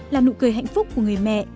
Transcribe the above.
là nụ cười hạnh phúc của người mẹ